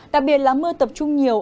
đặc biệt là mưa tập trung nhiều